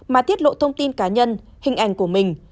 mà tiết lộ thông tin cá nhân hình ảnh của mình